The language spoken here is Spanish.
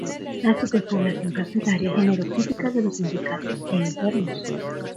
La superpoblación carcelaria generó críticas de los sindicatos e internos.